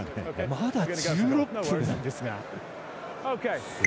まだ１６分なんですが。